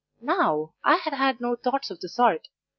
Now, I had had no thoughts of the sort.